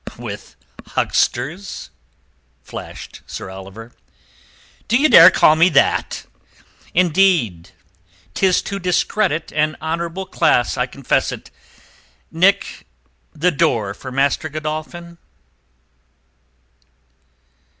with hucksters," flashed Sir Oliver. "D'ye dare call me that?" "Indeed, 'tis to discredit an honourable class, I confess it. Nick, the door for Master Godolphin."